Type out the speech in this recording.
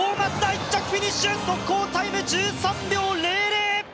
１着フィニッシュ速報タイム１３秒００